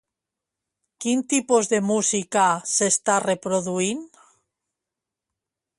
Quin tipus de música s'està reproduint?